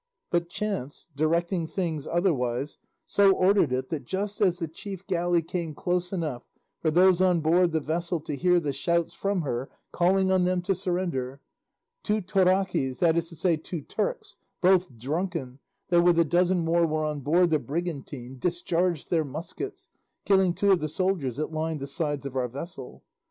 But chance, directing things otherwise, so ordered it that just as the chief galley came close enough for those on board the vessel to hear the shouts from her calling on them to surrender, two Toraquis, that is to say two Turks, both drunken, that with a dozen more were on board the brigantine, discharged their muskets, killing two of the soldiers that lined the sides of our vessel.